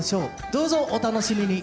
どうぞお楽しみに。